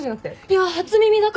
いや初耳だから！